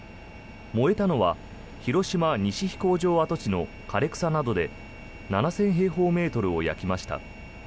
燃えたのは広島西飛行場跡地の枯れ草などで７０００平方メートルを焼きました。